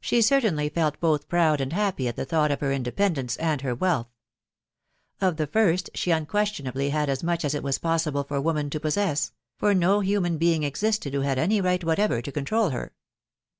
She certainly felt both proud and happy as she thought of her independence and her wealth. Of the first she unquestion ably had as much as it was possible for woman to possess, for no human being existed who had any right whatever to control her.